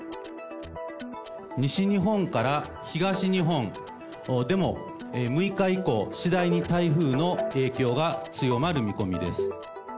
西日本から東日本でも、６日以降、次第に台風の影響が強まる見込みです。